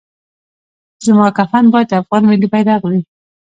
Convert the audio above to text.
زما کفن باید افغان ملي بیرغ وي